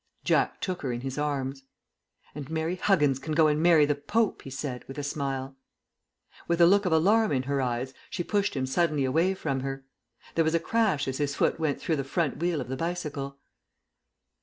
Jack took her in his arms. "And Mary Huggins can go and marry the Pope," he said, with a smile. With a look of alarm in her eyes she pushed him suddenly away from her. There was a crash as his foot went through the front wheel of the bicycle.